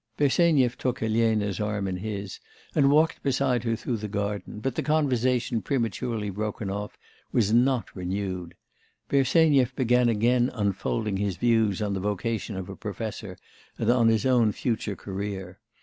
Bersenyev took Elena's arm in his, and walked beside her through the garden; but the conversation prematurely broken off was not renewed. Bersenyev began again unfolding his views on the vocation of a professor, and on his own future career.